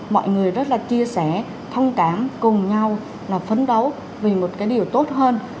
mọi người rất là chia sẻ thông cảm cùng nhau là phấn đấu vì một cái điều tốt hơn